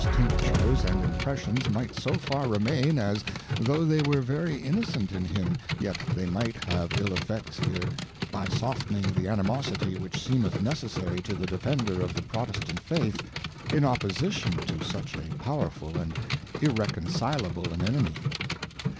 8i Tinctures and impressions might so far remain as, tho' they were very innocent in him, yet they might have ill effects here, by softning the Animosity which seemeth necessary to the Defender of the Protestant Faith, in opposition to such a powerful and irreconcilable an Enemy.